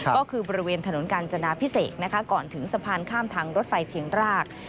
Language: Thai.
ก็คือบริเวณถนนกาญจนาพิเศษนะคะก่อนถึงสะพานข้ามทางรถไฟเชียงราก